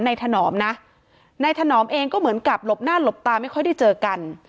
ถนอมนะนายถนอมเองก็เหมือนกับหลบหน้าหลบตาไม่ค่อยได้เจอกัน